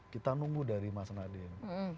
kita nunggu dari mas nadiem